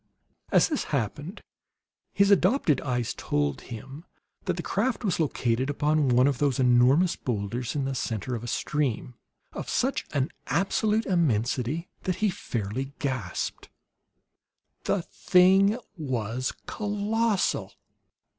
As this happened, his adopted eyes told him that the craft was located upon one of those enormous boulders, in the center of a stream of such absolute immensity that he fairly gasped. The thing was colossal!